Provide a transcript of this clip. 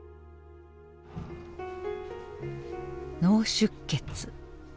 脳出血。